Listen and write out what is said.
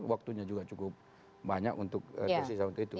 waktunya juga cukup banyak untuk tersisa untuk itu